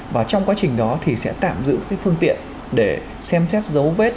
và trong quá trình đó thì sẽ tạm giữ cái phương tiện để xem xét dấu vết